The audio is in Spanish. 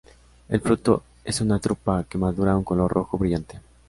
El fruto es una drupa que madura a un color rojo brillante.